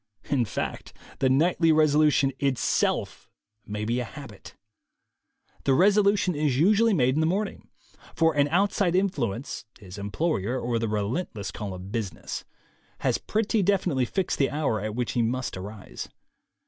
In fact, the nightly resolu tion itself may be a habit. The resolution is usu ally made in the morning; for an outside influence (his employer or the relentless call of business) has pretty definitely fixed the hour at which he must arise.